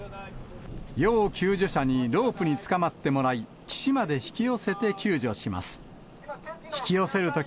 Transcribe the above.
要救助者にロープにつかまってもらい、岸まで引き寄せて救助します。